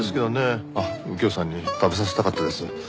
ああ右京さんに食べさせたかったです。